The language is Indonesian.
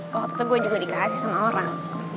waktu itu gue juga dikasih sama orang